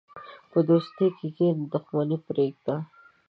په دوستۍ کښېنه، دښمني پرېږده.